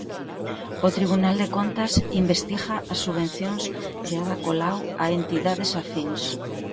O Tribunal de Contas investiga as subvencións de Ada Colau a entidades afíns.